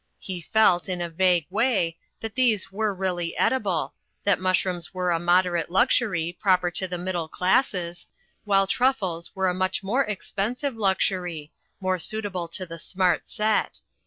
He felt, in a vague way, that these were really edible, that mushrooms were a moderate luxury, proper to the middle classes, while truffles were a much more expensive luxury, more suitable to the Smart Set.